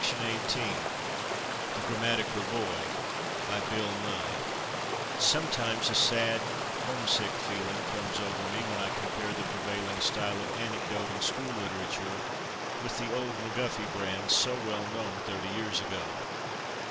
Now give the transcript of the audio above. [Illustration: The Grammatical Boy] Sometimes a sad homesick feeling comes over me when I compare the prevailing style of anecdote and school literature with the old McGuffey brand, so well known thirty years ago.